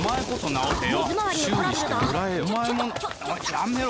やめろ！